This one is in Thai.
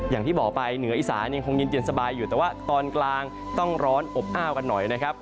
อย่างที่บอกไปเหนืออีสานยังคงเย็นสบายอยู่แต่ว่าตอนกลางต้องร้อนอบอ้าวกันหน่อยนะครับ